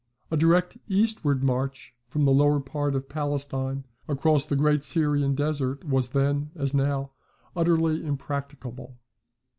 A direct eastward march from the lower part of Palestine across the great Syrian Desert was then, as now, utterly impracticable.